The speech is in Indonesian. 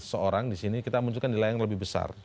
seorang di sini kita munculkan nilai yang lebih besar